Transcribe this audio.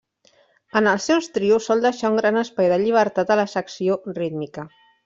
En els seus trios, sol deixar un gran espai de llibertat a la secció rítmica.